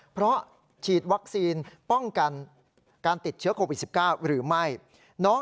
เพราะฉีดวัคซีนป้องกันการติดเชื้อโควิด๑๙หรือไม่